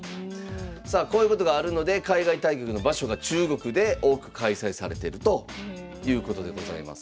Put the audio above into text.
さあこういうことがあるので海外対局の場所が中国で多く開催されてるということでございます。